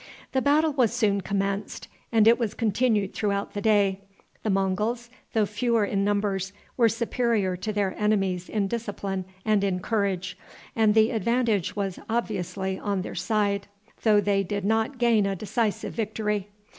The battle was soon commenced, and it was continued throughout the day. The Monguls, though fewer in numbers, were superior to their enemies in discipline and in courage, and the advantage was obviously on their side, though they did not gain a decisive victory.